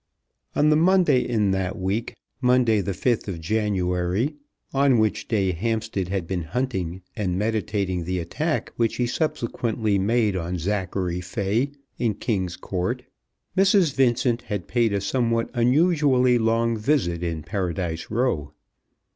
On the Monday in that week, Monday, the 5th of January, on which day Hampstead had been hunting and meditating the attack which he subsequently made on Zachary Fay, in King's Court, Mrs. Vincent had paid a somewhat unusually long visit in Paradise Row.